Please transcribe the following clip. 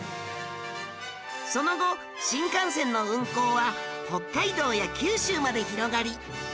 その後新幹線の運行は北海道や九州まで広がり